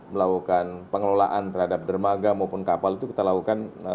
melakukan pengelolaan terhadap dermaga maupun kapal itu kita lakukan